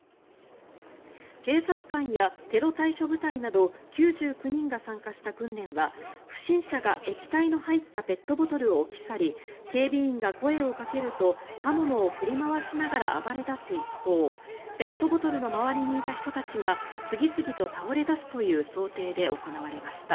警察官やテロ対処部隊など９９人が参加した訓練は不審者が液体の入ったペットボトルを置き去り警備員が声をかけると刃物を振り回しながら暴れだす一方、ペットボトルの周りにいた人たちが次々と倒れ出すという想定で行われました。